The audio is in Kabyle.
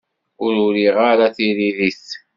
Ur uriɣ ara tiririt.